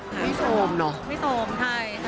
ไม่สวมเหรอไม่สวมใช่